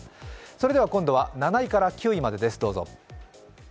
それでは今度は７位から９位までです、どうぞ。